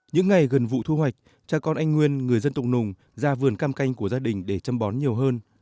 những ngày gần vụ thu hoạch cha con anh nguyên người dân tộc nùng ra vườn cam canh của gia đình để chăm bón nhiều hơn